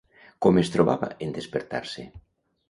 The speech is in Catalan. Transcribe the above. Com es trobava en despertar-se?